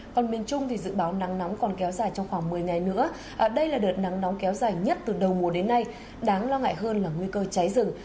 còn miền trung thì dự báo nắng nóng còn kéo dài trong khoảng một mươi ngày nữa đây là đợt nắng nóng kéo dài nhất từ đầu mùa đến nay đáng lo ngại hơn là nguy cơ cháy rừng